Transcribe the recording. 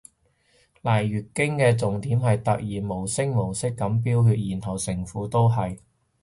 嚟月經嘅重點係突然無聲無息噉飆血然後成褲都係